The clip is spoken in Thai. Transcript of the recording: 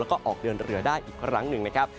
แล้วก็ออกเดินเรือได้อีกครั้งหนึ่งนะครับ